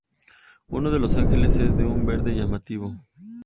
Uno de los ángeles es de un verde llamativo.